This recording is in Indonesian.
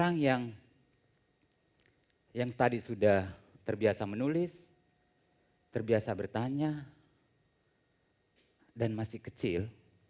orang yang tadi sudah terbiasa menulis terbiasa bertanya dan masih kecil